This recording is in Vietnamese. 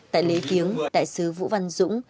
tại lễ kiếng đại sứ vũ văn dũng